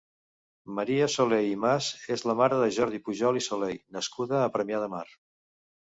Maria Soley i Mas és la mare de Jordi Pujol i Soley, nascuda a Premià de Mar.